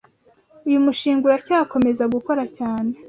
Uyu mushinga uracyakomeza gukora cyane.